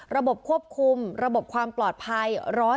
ระบบควบคุมระบบความปลอดภัย